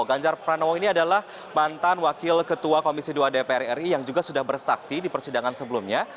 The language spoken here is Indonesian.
ganjar pranowo ini adalah mantan wakil ketua komisi dua dpr ri yang juga sudah bersaksi di persidangan sebelumnya